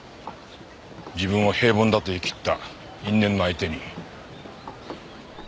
自分を平凡だと言い切った因縁の相手に。